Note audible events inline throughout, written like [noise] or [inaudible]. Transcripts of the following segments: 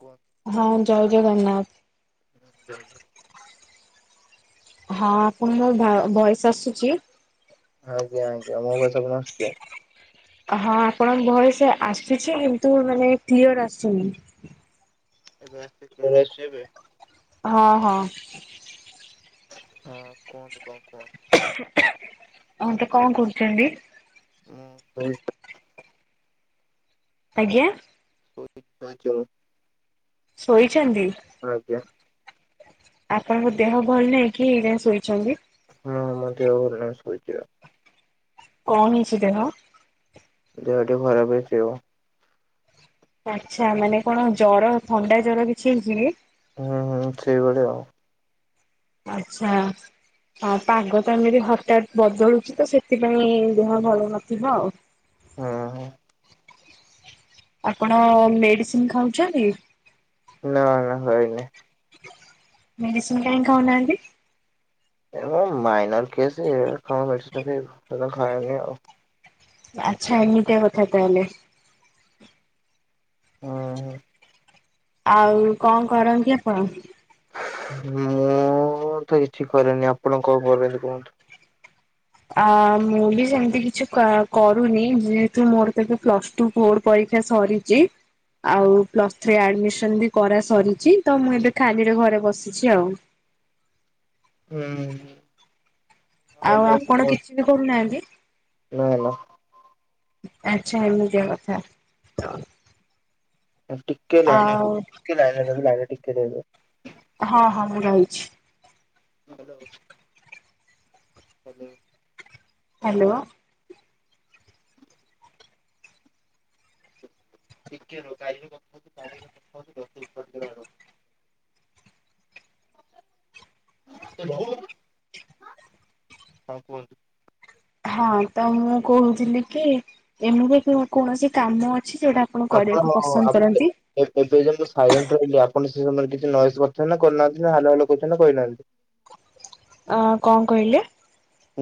କୁ [inaudible] ହଁ ଜୟ ଜଗନ୍ନାଥ। ହୁଁ ହ [inaudible] ହଁ ପୁଣି ଭଏସ୍ ଆସୁଛି। ଆଜ୍ଞା ଆଜ୍ଞା ମୋ ବା ତ ଆପଣ ଆସୁଛେ [unintelligible] ହଁ ଆପଣଙ୍କ ଭଏସ୍ ଆସୁଛି କିନ୍ତୁ ମାନେ କ୍ଲିଅର୍ ଆସିୁନି। ଏବେ ଆସୁଛି କ୍ଲିୟର ଆସଛି ଏବେ? ହଁ ହଁ। ହଁ କୁହନ୍ତୁ କହ କୁହନ୍ତୁ [inaudible] ତାଙ୍କେ କଣ କରୁଛନ୍ତି? ହଁ ହ [inaudible] ଆଜ୍ଞା। ଶଇଛାଛ [inaudible] ଶୋଇଛନ୍ତି? ଆଜ୍ଞା। ଆପଣଙ୍କ ଦେହ ଭଲ ନାହିଁ କି ଏଇନେ ଶୋଇଛନ୍ତି? ହଁ ମତ ଭଲ ଶୋଇ [unintelligible] କଣ ହେଇଛି ଦେହ? ଦେହ ଟିକେ ଖରାପ୍ ହେଇଛି ଆଉ। ଆଚ୍ଛା ମାନେ କଣ ଜର ଥଣ୍ଡା ଜର କିଛି ହେଇ କି? ହୁଁ ହୁଁ ସେହିଭଳି ଆଉ। ଆଚ୍ଛା। ଆଉ ପାଗତ ଏମିତ ହଠାତ୍ ବଦଳୁଚିତ ସେଥିପାଇଁ ଦେହ ଭଲ ନଥିବ ଆଉ। ହଁ। ଆପଣ ମେଡ଼ିସିନ୍ ଖାଉଚନ୍ତି? ନାଁ ନାଁ ଖାଇନି। ମେଡ଼ିସିନ୍ କାଇଁ ଖାଉନାହାନ୍ତି? ଏ ମାଇନର କେସ୍ କଣ ମେଡ଼ିସିନ୍ ଖାଇବୁ, ମୁତ ଖାଏନି ଆଉ। ଆଚ୍ଛା ଏମିତିଆ କଥା ତାହେଲେ। ହୁଁ। ଆଉ କଁ କରନ୍ତି ଆପଣ? ମୁଁତ କିଛି କରେନି, ଆପଣ କଁ କରନ୍ତି, କୁହନ୍ତୁ? ଆ ମୁଁବି ସେମିତି କିଛି କ କରୁନି ଯେହେତୁ ମୋରତ ଏବେ ପ୍ଲସ୍ ଟୁ ଫୋର ପରୀକ୍ଷା ସରି ଚି ଆଉ ପ୍ଲସ୍ ଥ୍ରୀ ଆଡମିସନବି କରା ସରିଚି, ତ ମୁଁଏବେ ଖାଲିରେ ଘରେ ବସିଛି ଆଉ। ହୁଁ। ଆଉ ଆପଣ କିଛିବି କରୁନାହାନ୍ତି? ନାଁ ନାଁ। ଆଚ୍ଛା ଏମିତିଆ କଥା ତ ଟିକେ ଲାଇନରେ ଆଉ ରୁହନ୍ତୁ, ଟିକେ ଲାଇନିରେ ରହିବେ, ଲାଇନିରେ ଟିକେ ରହିବେ। ହଁ ହଁ ମୁଁ ରହିଛି। [unintelligible] ହାଲୋ। ହାଲୋ। ଟିକେ ରୁହନ୍ତୁ [unintelligible] [inaudible] [unintelligible] ହଁ କୁହନ୍ତୁ? ହଁ ତ ମୁଁ କହୁଥିଲିକି ଏମିତି କୌଣସି କାମ ଅଛି ଯୋଉଟା ଆପଣ କରିବାକୁ ପସନ୍ଦ କରନ୍ତି? ଏବେଯେ ମୁଁ ସାଇଲେଣ୍ଟ ରହିଲି ଆପଣ ସେ ସମୟରେ କିଛି ନଏଜ କରିଚନ୍ତିନା କରିନାହାନ୍ତିନା ହାଲୋ ହାଲୋ କହିଚନ୍ତିନା କହିନାହାନ୍ତି? ଅ କଁ କହିଲେ?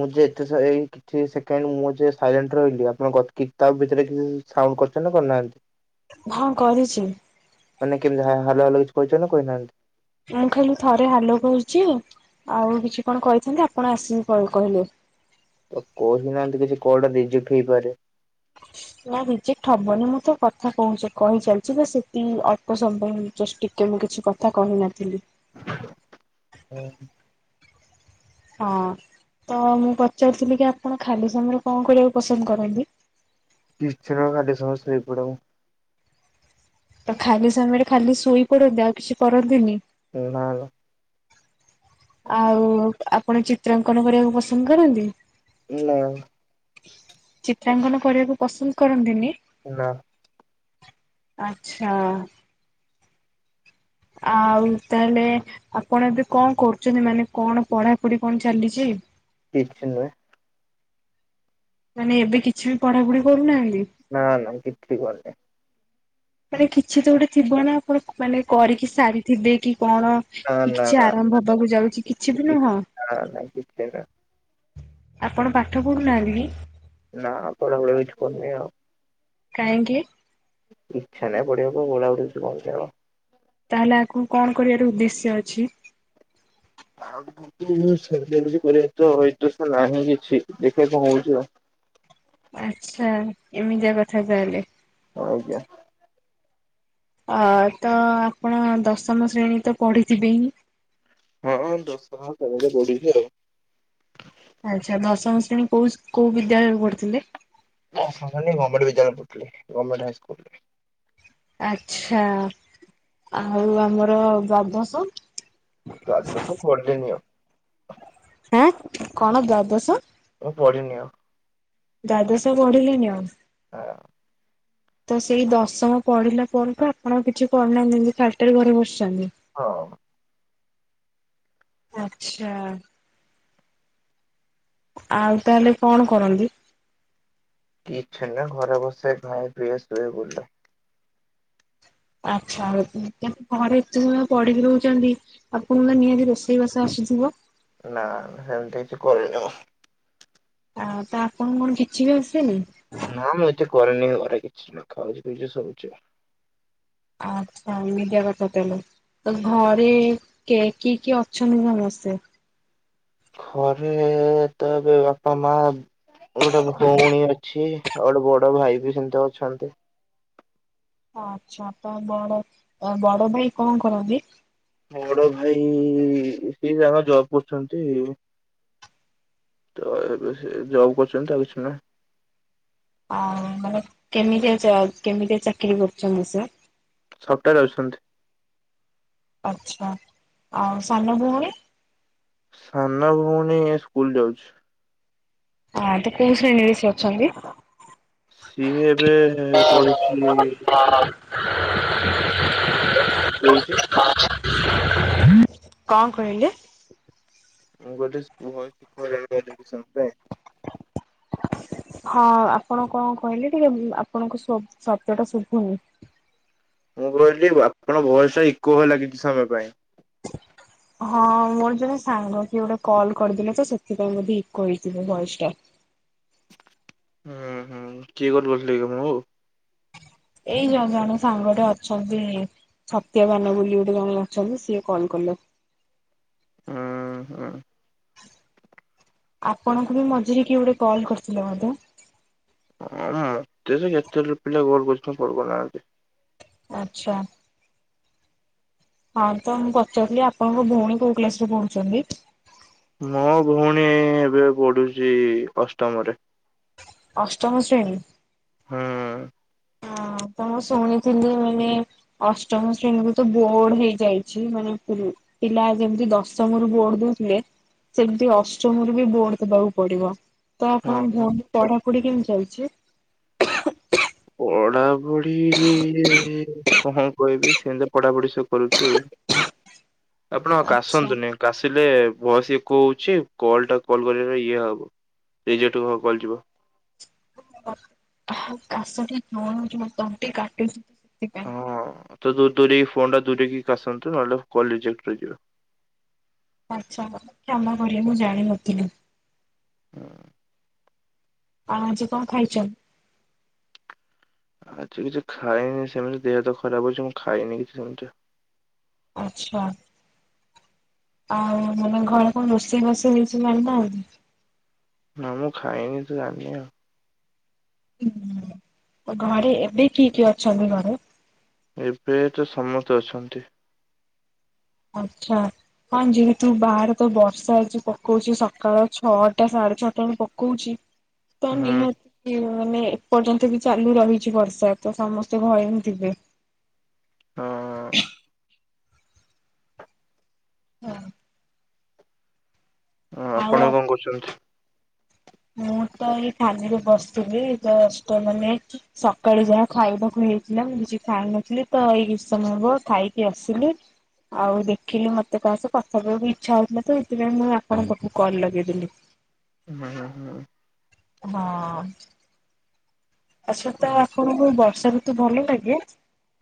ମୁଯେ ଏତେ କିଛି ସେକେଣ୍ଡ ମୁଁଯେ ସାଇଲେଣ୍ଟ ରହିଲି ଆପଣ କ ତା ଭିତରେ କିଛି ସାଉଣ୍ଡ କରଚନ୍ତିନା କରିନାହାନ୍ତି। ହଁ କରିଛି। ମାନେ କେମିତି ହାଏ ହାଲୋ ହାଲୋ କିଛି କହିଚନ୍ତିନା କହିନାହାନ୍ତି? ମୁଁ ଖାଲି ଥରେ ହାଲୋ କଉଚି ଆଉ କିଛି କଣ କହିଥାନ୍ତି ଆପଣ ଆସିକି କ କହିଲେ? ତ କହିନାହାନ୍ତି କିଛି କଲଟା ରିଜେକ୍ଟ ହେଇପାରେ। [inaudible] ନା ରିଜେକ୍ଟ ହବନି ମୁଁତ କଥା କହୁଚି କହି ଚାଲିଚିଯେ ସେଠି ଅଳ୍ପ ସମୟ ପାଇଁ ଜଷ୍ଟିକ୍ ଯେ ମୁଁ କିଛି କଥା କହିନଥିଲି। ଅଁହଁ। ହଁ ତମୁଁ ପଚାରୁଥିଲିକି ଆପଣ ଖାଲି ସମୟରେ କଁ କରିବାକୁ ପସନ୍ଦ କରନ୍ତି? କିଛିନା ଖାଲି ସମୟ ସୋଇପଢ଼େମୁ। ତ ଖାଲି ସମୟରେ ଖାଲି ଶୋଇ ପଡ଼ନ୍ତି, ଆଉ କିଛି କରନ୍ତିନି? କଣ ହେଲା? ଆଉ ଆପଣ ଚିତ୍ରାଙ୍କନ କରିବାକୁ ପସନ୍ଦ କରନ୍ତି? ନା। ଚିତ୍ରାଙ୍କନ କରିବାକୁ ପସନ୍ଦ କରନ୍ତିନି? ନା। ଆଚ୍ଛା। ଆଉ ତାହେଲେ ଆପଣ ଏବେ କଣ କରୁଛନ୍ତି ମାନେ କଣ ପଢାପଢି କଣ ଚାଲିଛି? କିଛି ନୁହେଁ। ମାନେ ଏବେ କିଛି ବି ପଢାପଢି କରୁନାହାନ୍ତି? ନା ନା କିଛି କରୁନି। ମାନେ କିଛି ତ ଗୋଟେ ଥିବ ନା ଆପଣ ମାନେ କରିକି ସାରିଥିବେ କି କଣ? ନା କି ନା କିଛି ନା। ଆରମ୍ଭ ହବାକୁ ଯାଉଛି, କିଛି ବି ନୁହଁ? ନା ନା କିଛି ନାହିଁ। ଆପଣ ପାଠ ପଢ଼ୁନାହାନ୍ତି କି? ନା ପଢା ପଢି କିଛି କରୁନି ଆଉ। କାହିଁକି? ଇଚ୍ଛା ନାହିଁ ପଢିବା କୁ ପଢା ପଢି କିଛି କରୁନି ଆଉ। ତାହେଲେ ଆଗକୁ କଣ କରିବାର ଉଦ୍ଦେଶ୍ୟ ଅଛି? ଆଉ କରିବା ତଇତ ତ ନାହିଁ କିଛି ଦେଖିବା କଣ ହଉଛି ଆ। [unintelligible] ଆଚ୍ଛା ଏମିତିଆ କଥା ତାହେଲେ! ହଁ ଆଜ୍ଞା। ଅ ତ ଆପଣ ଦଶମ ଶ୍ରେଣୀ ତ ପଢିଥିବେ ହିଁ। ହଁଁ ଦଶମ ପର୍ଯ୍ୟନ୍ତ ପଢ଼ିଚି ଆଉ। ଆଚ୍ଛା ଦଶମ ଶ୍ରେଣୀ କୋଉ କୋଉ ବିଦ୍ୟାଳୟରେ ପଢିଥିଲେ? ଦଶମ ଶ୍ରେଣୀ ଗମେଣ୍ଟ ବିଦ୍ୟାଳୟ ରେପଢୁଥିଲି ଗମେଣ୍ଟ ହାଇସ୍କୁଲରେ। ଆଛା ଆଉ ଆମର ଦ୍ୱାଦଶ? ଦ୍ୱାଦଶ ପଢ଼ିଲିନିଆଉ। ଆଁ କ'ଣ ଦ୍ୱାଦଶ? ମୁଁ ପଢିନି ଆଉ। ଦ୍ୱାଦଶ ପଢ଼ିଲେନି ଆଉ? ନା। [unintelligible] ତ ସେଇ ଦଶମ ପଢିଲା ପରଠୁ ଆପଣ କିଛି ପଢି ନାହାନ୍ତି ଖାଲିଟାରେ ଘରେ ବସିଛନ୍ତି? ହଁଅଁ। ଆଚ୍ଛା ଆଉ ତାହେଲେ କ'ଣ କରନ୍ତି? କିଛ ନାଇଁ ଘରେ ବସେ ଖାଏ ପିଏ ଶୁଏ ବୁଲେ। ଆଚ୍ଛା ହଉ କିନ୍ତୁ ଘରେ ଏତେ ସମୟ ପଢିକି ରହୁଛନ୍ତି। ଆପଙ୍କୁ ତ ନିହାତି ରୋଷେଇବାସା ଆସିଥିବ? ନା ନା ହେମତି କିଛି କରିନି ମୁଁ। ଆଉ ତା ଆପଣ ଙ୍କୁ କଣ କିଛି ବି ଆସେନି? ନା ମୁଁ ଏତେ କରିରେନି ଘରେ କିଛି ନା ଖାଉଚି ପିଉଚି ଶୋଉଚି। ଆଚ୍ଛା ଏମିତିଆ କଥା ତାହେଲେ। ତ ଘରେ କେ କିଏ କିଏ ଅଛନ୍ତି ସମସ୍ତେ? ଘରେ ତ ଏବେ ବାପା ମା ଗୋଟେ ଭଉଣୀ ଅଛି ଆଉ ଗୋଟେ ବଡ ଭାଇ ବି ସେମିତି ଅଛନ୍ତି। ଆଚ୍ଛା ତ ବଡ ବଡ ଭାଇ କଣ କରନ୍ତି? ବଡ ଭାଇ ସିଏ ଜାଣ ଜବ୍ କରୁଚନ୍ତି। ତ ଏବେ ସେ ଜବ୍ କରୁଚନ୍ତି ଆଉ କିଛି ନା। ଆଉ ମାନେ କେମିତିଆ ଚ କେମିତିଆ ଚାକିରି କରୁଚନ୍ତି ସିଏ? ସଫ୍ଟୱେରେ ଅଛନ୍ତି। ଆଛା ଆଉ ସାନ ଭଉଣୀ? ସାନ ଭଉଣୀ ଏ ସ୍କୁଲ ଯାଉଛି। ଆ ତ କୋଉ ଶ୍ରେଣୀରେ ସେ ଅଛନ୍ତି? ସିଏ ଏବେ ପଢୁଚି [inaudible] [unintelligible] କଣ କହିଲେ? ମୁଁ କହିଲି [unintelligible] ହଁ ଆପଣ କଣ କହିଲେ ଟିକେ ଆପଣଙ୍କ ଶ-ଶବ୍ଦଟା ଶୁଭୁନି। ମୁଁ କହିଲି ଆପଣ ଭ‌ଏସଟା ଇକୋ ହେଲା କିଛି ସମୟ ପାଇଁ। ହଁ ମୋର ଜଣେ ସାଙ୍ଗ କିଏ ଗୋଟେ କଲ୍ କରିଦେଲେ ଯେ ସେଥିପାଇଁ ବୋଧେ ଇକୋ ହେଇଥିବ ଭଏସଟା। ହୁଁ ହୁଁ କିଏ କଲ୍ କରିଥିଲେ କି ଆପଣଙ୍କୁ? ଏଇ ଜଣେ ଜଣେ ସାଙ୍ଗଟେ ଅଛନ୍ତି। ସତ୍ୟବାନ ବୋଲି ଗୋଟେ ଜଣେ ଅଛନ୍ତି ସିଏ କଲ୍ କଲେ। ଉଁ ହୁଁ। ଆପଣଙ୍କୁ ବି ମଝିରେ କିଏ ଗୋଟେ କଲ୍ କରିଥିଲେ ବୋଧେ? ହଁ ମତେ ତ କେତେ ପି-ପିଲା କଲ୍ କରୁଚନ୍ତି କଲ୍ କରନାହାନ୍ତି। ଆଚ୍ଛା। ହଁ ତ ମୁଁ ପଚାରୁଥିଲି ଆପଣଙ୍କ ଭଉଣୀ କୋଉ କ୍ଲାସରେ ପଢୁଚନ୍ତି? ମୋ ଭଉଣୀ ଏବେ ପଢୁଚି ଅଷ୍ଟମରେ। ଅଷ୍ଟମ ଶ୍ରେଣୀ। ହୁଁ। ହଁ ତ ମୁଁ ଶୁଣିଥିଲି ମାନେ ଅଷ୍ଟମ ଶ୍ରେଣୀକୁ ତ ବୋର୍ଡ ହେଇଯାଇଛି ମାନେ [unintelligible] ପିଲା ଯେମିତି ଦଶମରୁ ବୋର୍ଡ ଦୋଉଥିଲେ। ସେମିତି ଅଷ୍ଟମରୁୁ ବି ବୋର୍ଡ ଦବାକୁ ପଡିବ, ତ ଆପଣଙ୍କ ହଁ ଭ‌ଉଣି ପଢାପଢି କେମିତି ଚାଲିଚି? ପଢାପୁଢୀ କଣ କହିବି ସେମିତ ତ ପଢାପଢି ସେ କରୁଚି। ଆପଣ ଆଚ୍ଛା। କାଶନ୍ତୁନି। କାଶିଲେ ଭ‌ଏସ ଇକୋ ହୋଉଚି କଲଟା କଲ୍ କରିବା ପାଇଁ ଇଏ ହବ। ରେଜେକ୍ଟ କ-କଲ୍ ଯିବ। [inaudible] ଖାଶଟି [unintelligible] ତଣ୍ଟି କାଟୁଚି ସେଥିପାଇଁ। ହଁ ତ ଦୂ-ଦୂରେଇକି ଫୋନଟା ଦୂରେଇକି କାସନ୍ତୁ ନହେଲେ କଲ୍ ରିଜେକ୍ଟ ହେଇଯିବ। ଆଚ୍ଛା ମତେ କ୍ଷମା କରିବେ ମୁଁ ଜାଣିନଥିଲି। ହୁଁ। [unintelligible] ଆଉ ଆଜି କଣ ଖାଇଚନ୍? ଆଜି କିଛି ଖାଇନି ସେମିତି ଦେହ ତ ଖରାପ ହୋଉଚି। ମୁଁ ଖାଇନି କିଛି ସେମିତି। ଆଚ୍ଛା। ଆଉ ମାନେ ଘରେ କଣ ରୋଷେଇ ଫୋଷେଇ ହେଇଚି ଜାଣିନାହାନ୍ତି। ନାଁ ମୁଁ ଖାଇନି ତ ଜାଣିନି ଆଉ। ହୁଁ। [unintelligible] ତ ଘରେ ଏବେ କିଏ କିଏ ଅଛନ୍ତି ଘରେ? ଏବେ ତ ସମସ୍ତେ ଅଛନ୍ତି। ଆଚ୍ଛା, ହଁ ଯେହେତୁ ବାାହାରେ ତ ବର୍ଷା ଆଜି ପକଉଛି। ସକାଳ ଛଅଟା ସାଢେ ଛଅଟା ବେଳୁ ପକଉଛି। ତ ହୁଁ ନିିହାତି [unintelligible] ମାନେ, ଏପର୍ଯ୍ୟନ୍ତ ବି ଚାଲୁ ରହିଛି ବର୍ଷା। ତ ସମସ୍ତେ ଭୟ ହିଁଥିବେ, ହଁ ହଁ ହଁ, ଆପଣ କଣ କହୁଛନ୍ତି? ମୁଁ ତ ଏଇ ଥାନିରେ ବସିଥିଲି ଯଷ୍ଟଏ ମିନିଟ। ସକାଳୁ ଯାହା ଖାଇବାକୁ ହେଇଥିଲା, ମୁଁ କିଛି ଖାଇନଥିଲି ତ ଏଇ କିଛି ସମୟ ହବ ଖାଇକି ଆସିଲି। ଆଉ ଦେଖିଲି ମତେ ତାହା ସହ କଥା କବାକୁ ଇଚ୍ଛା ହଉଥିଲା ତ ସେଇଥିପାଇଁ ମୁଁ ଆପଣ ପାଖକୁ କଲ ଲଗେଇଦେଲି। [unintelligible] ହଁ ଆସତ ହୁଁ ଆପଣଙ୍କୁ ବର୍ଷା ଋତୁ ଭଲ ଲାଗେ?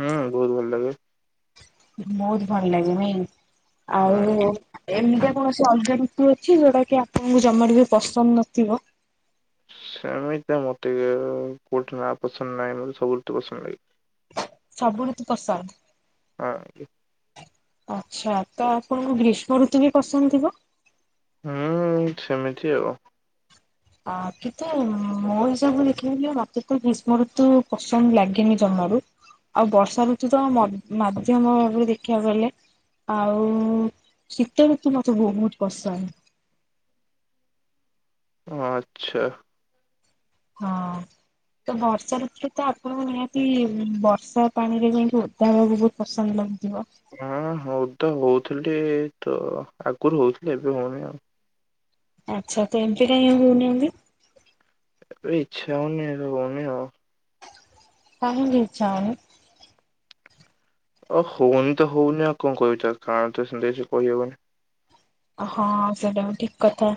ହଁ, ବହୁତ ଭଲ ଲାଗେ। ବହୁତ ଭଲ ଲାଗେନାଇ ଆଉ ହଁ। ଏମିତିଆ କୌଣସି ଅଲଗା ଋତୁ ଅଛି, ଯୋଉଟା କି ଆପଣଙ୍କୁ ଜମାଟ ବି ପସନ୍ଦ ନଥିବ। ସେମିତି ମତେ [unintelligible] କୋଉଠି ନାଁ ପସନ୍ଦ ନାହିଁ, ମତେ ସବୁଋତୁ ପସନ୍ଦ ଲାଗେ। ସବୁ ଋତୁ ପସନ୍ଦ। ହଁ ଆଜ୍ଞା। ଆଚ୍ଛା, ତ ଆପଣଙ୍କୁ ଗ୍ରୀଷ୍ମ ଋତୁ ବି ପସନ୍ଦ ଥିବ। ହୁଁ ସେମିତି ଆଉ। ଆ କିନ୍ତୁ ମୋ ହିସାବରେ ଦେଖିଲେ ମତେ ତ ଗ୍ରୀଷ୍ମ ଋତୁ ପସନ୍ଦ ଲାଗେନି ଜମାରୁ। ଆଉ ବର୍ଷା ଋତୁ ତ ମଧ୍ୟ ମାଧ୍ୟମ ଭାବରେ ଦେଖିବାକୁ ଗଲେ, ଆଉ ଶୀତ ଋତୁ ମତେ ବହୁତ ପସନ୍ଦ। ହଁ, ଆଚ୍ଛା ହଁ ତ ବର୍ଷା ଋତରେ ତ ଆପଣଙ୍କୁ ନିହାତି ବର୍ଷା ପାଣିରେ ଯାଇ [unintelligible] ବହୁତ ପସନ୍ଦ ଲାଗୁଥିବ। ହଁ ହଉ ତ ହଉଥିଲି ତ ଆଗରୁ ହଉଥିଲି ଏବେ ହଉନି ଆଉ। ଆଚ୍ଛା, ତ ଏମିତି କାଇଁ ହଉନି ଇନ୍ଦି। ଏ ଇଚ୍ଛା ହଉନି ରଉନି ଆଉ। କହିଁକି ଇଛା ହଉନି। ଅଉ ହଉନି ତ ହଉନି ଆଉ କଣ କହିବି, କାରଣ ତ ସେମିତି କିଛି କହିହବନି। ହଁ ସେଇଟା ବି ଠିକ୍ କଥା।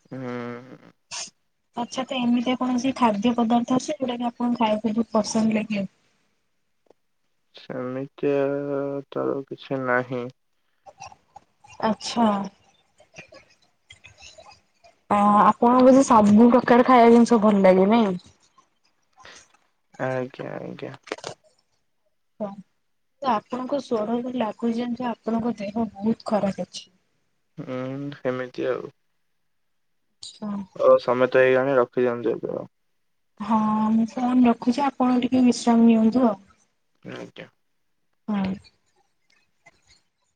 ହୁଁ ଆଛତ ଏମିତିଆ କୌଣସି ଖାଦ୍ୟ ପଦାର୍ଥ ଅଛି, ଯୋଉଟା କି ଆପଣ ଖାଇବାକୁ ବହୁତ ପସନ୍ଦ ଲାଗେ। ସେମିତି ଆଉ ତ କିଛି ନାହିଁ। ଆଚ୍ଛା ହଁ ଆପଣଙ୍କ ବୋଧେ ସବୁ ପ୍ରକାର ଖାଇବା ଜିନିଷ ଭଲ ଲାଗେ ନାଇଁ। ଆଜ୍ଞା, ଆଜ୍ଞା ତ ଆପଣଙ୍କ ସ୍ୱର ରେ ଲାଗୁଛି ଯେମିତି ଆପଣଙ୍କ ଦେହ ବହୁତ ଖରାପ ଅଛି। ହଁ ସେମିତି ଆଉ। ହଁ ହଉ ସମୟତ ହେଇଗାଲାଣି ରଖିଦିଅନ୍ତୁ ଏବେ ଆଉ। ହଁ ମୁ ଫୋନ ରଖୁଛି ଆପଣ ଟିକେ ବିଶ୍ରାମ ନିଅନ୍ତୁ। ଆଉ ଆଜ୍ଞା। ହଁ।